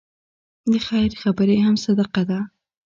د خیر خبرې هم صدقه ده.